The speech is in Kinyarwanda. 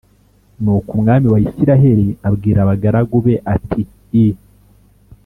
Nuko umwami wa Isirayeli abwira abagaragu be ati i